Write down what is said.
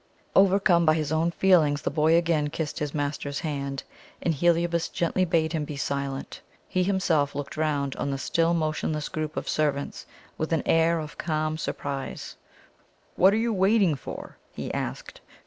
Overcome by his own feelings the boy again kissed his master's hand, and Heliobas gently bade him be silent. He himself looked round on the still motionless group of servants with an air of calm surprise. "What are you waiting for?" he asked.